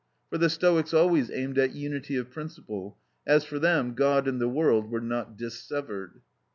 For the Stoics always aimed at unity of principle, as for them God and the world were not dissevered.